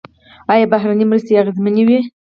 آیا بهرنۍ مرستې اغیزمنې وې؟